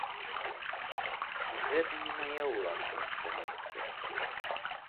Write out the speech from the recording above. Гэта не мая ўласная інфармацыя.